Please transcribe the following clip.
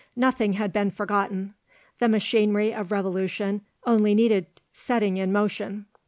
Nothing had been forgotten; the machinery of revolution only needed setting in motion.